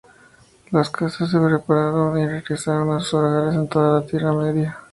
Las casas se separaron y regresaron a sus hogares en toda la Tierra Media.